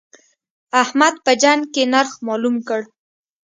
احمد په جنګ کې نرخ مالوم کړ.